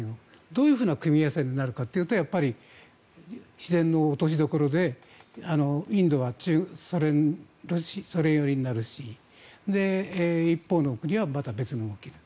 どういう組み合わせになるかというとやっぱり自然の落としどころでインドはソ連寄りになるし一方の国はまた別の動きになる。